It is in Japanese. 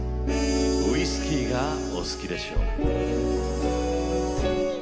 「ウイスキーが、お好きでしょ」。